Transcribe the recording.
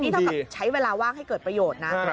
เท่ากับใช้เวลาว่างให้เกิดประโยชน์นะ